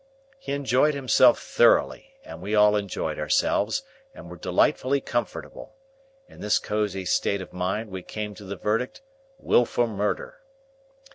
He enjoyed himself thoroughly, and we all enjoyed ourselves, and were delightfully comfortable. In this cosey state of mind we came to the verdict Wilful Murder.